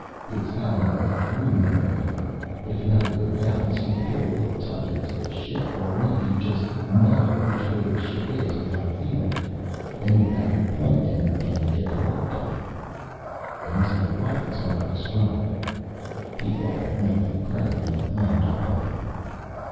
It's having all that room around you. But if you have a good balance, you feel a little tugging to the ship, or maybe you just know which way the ship is without feeling it. Then you have your point and you can get the work done." "There must be a lot that's hard to describe." He thought that might be a crack and he clammed up on me.